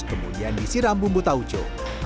kemudian disiram bumbu tauco